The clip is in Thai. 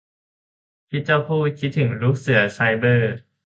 คิดจะพูด คิดถึงลูกเสือไซเบอร์